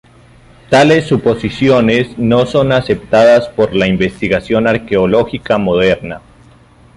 Tales suposiciones no son aceptadas por la investigación arqueológica moderna.